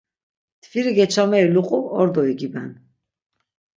Mtviri geçameri luqu ordo igiben.